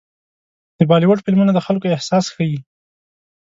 د بالیووډ فلمونه د خلکو احساس ښيي.